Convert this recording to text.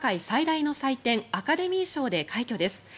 最大の祭典アカデミー賞で快挙です。